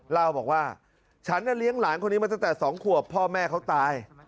เล่าบอกว่าฉันน่ะเลี้ยงหลานคนนี้มาตั้งแต่๒ขวบพ่อแม่เขาตาย